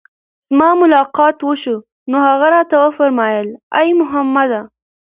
زما ملاقات وشو، نو هغه راته وفرمايل: اې محمد!